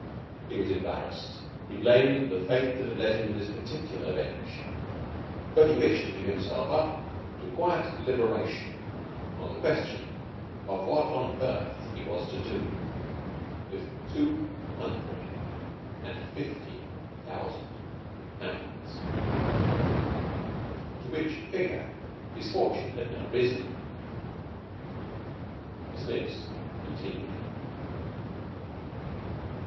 He was embarrassed. He blamed the fate that had led him to this particular bench, but he wished to give himself up to quiet deliberation on the question of what on earth he was to do with two hundred and fifty thousand pounds, to which figure his fortune had now risen. The sniffs continued.